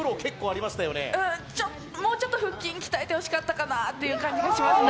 もうちょっと腹筋鍛えてほしかったかなという感じがしますね。